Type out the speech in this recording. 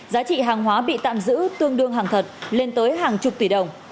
giá trị hàng hóa bị tạm giữ tương đương hàng thật lên tới hàng chục tỷ đồng